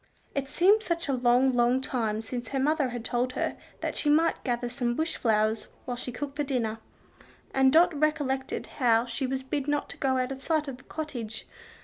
It seemed such a long, long time since her mother had told her that she might gather some bush flowers while she cooked the dinner, and Dot recollected how she was bid not to go out of sight of the cottage.